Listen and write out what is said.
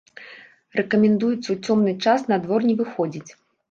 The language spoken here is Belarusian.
Рэкамендуецца ў цёмны час на двор не выходзіць.